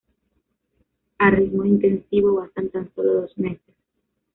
A ritmo intensivo, bastan tan solo dos meses.